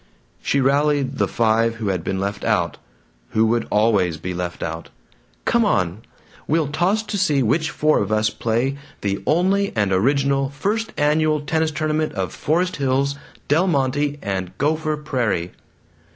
She rallied the five who had been left out, who would always be left out. "Come on! We'll toss to see which four of us play the Only and Original First Annual Tennis Tournament of Forest Hills, Del Monte, and Gopher Prairie!"